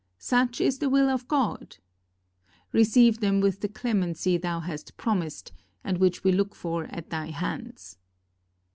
Such is the will of God! Receive them with the clemency thou hast promised, and which we look for at thy hands."